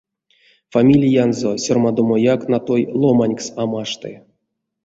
Фамилиянзо сёрмадомояк натой ломанькс а машты.